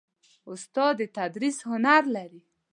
استاد د تدریس هنر لري.